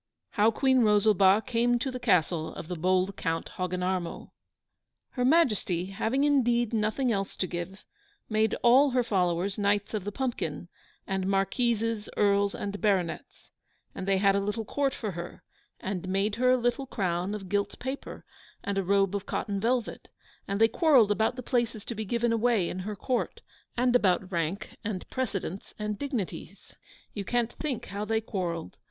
HOW QUEEN ROSALBA CAME TO THE CASTLE OF THE BOLD COUNT HOGGINARMO Her Majesty, having indeed nothing else to give, made all her followers Knights of the Pumpkin, and Marquises, Earls, and Baronets; and they had a little court for her, and made her a little crown of gilt paper, and a robe of cotton velvet; and they quarrelled about the places to be given away in her court, and about rank and precedence and dignities; you can't think how they quarrelled!